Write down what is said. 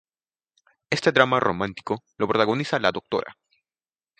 Este drama romántico lo protagoniza la Dra.